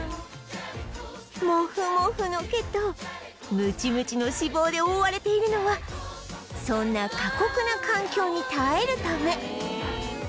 モフモフの毛とムチムチの脂肪で覆われているのはそんな過酷な環境に耐えるため